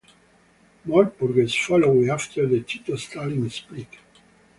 More purges followed after the Tito-Stalin split.